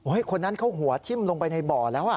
คนนั้นเขาหัวทิ้มลงไปในบ่อแล้ว